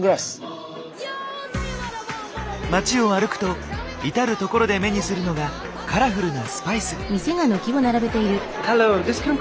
街を歩くと至る所で目にするのがカラフルなスパイス。